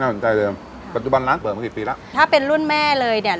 สนใจเลยปัจจุบันร้านเปิดมากี่ปีแล้วถ้าเป็นรุ่นแม่เลยเนี้ย